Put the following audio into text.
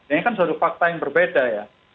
ini kan suatu fakta yang berbeda ya